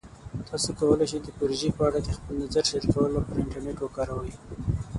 تاسو کولی شئ د پروژې په اړه د خپل نظر شریکولو لپاره انټرنیټ وکاروئ.